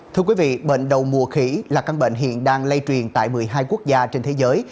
thưa quý vị bệnh đầu mùa khỉ là căn bệnh hiện đang lây truyền tại một mươi hai quốc gia trên thế giới